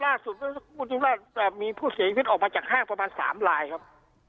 ล่าสุดมีผู้เสียชีวิตออกมาจากห้างประมาณ๓ลายครับ